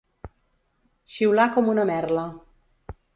Xiular com una merla.